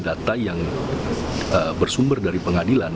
data yang bersumber dari pengadilan